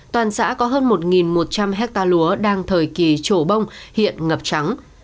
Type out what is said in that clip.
toàn xã có hơn một một trăm linh hectare lúa đang thời kỳ trổ bông hiện ngập trắng